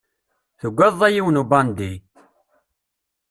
Tugadeḍ a yiwen ubandi!